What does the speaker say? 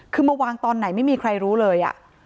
คือมาวางตอนไหนไม่มีใครรู้เลย